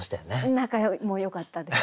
仲もよかったです。